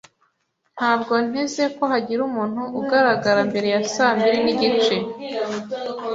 Ntabwo nteze ko hagira umuntu ugaragara mbere ya saa mbiri n'igice.